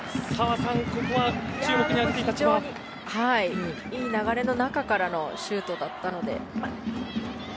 非常に、いい流れの中からのシュートだったので。